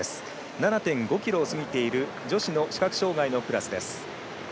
７．５ｋｍを過ぎている女子の視覚障がいのクラスです。